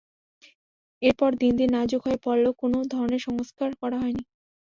এরপর দিন দিন নাজুক হয়ে পড়লেও কোনো ধরনের সংস্কার করা হয়নি।